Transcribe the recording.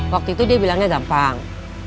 waktu itu dia bilangnya gampang